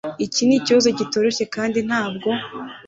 Iki nikibazo kitoroshye kandi ntabwo